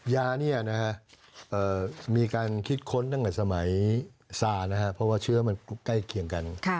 ยานี่นะฮะมีการคิดค้นตั้งแต่สมัยซานะครับเพราะว่าเชื้อมันใกล้เคียงกัน